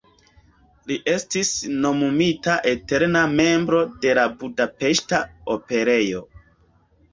Li estis nomumita eterna membro de la Budapeŝta Operejo.